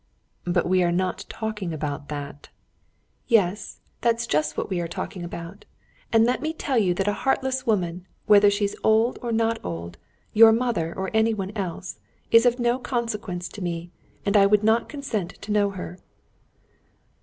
"But we are not talking about that." "Yes, that's just what we are talking about. And let me tell you that a heartless woman, whether she's old or not old, your mother or anyone else, is of no consequence to me, and I would not consent to know her."